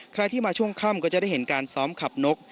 ใครที่มาช่วงค่ำก็จะได้เห็นการซ้อมขับนก